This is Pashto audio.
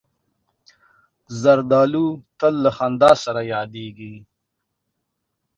زردالو تل له خندا سره یادیږي.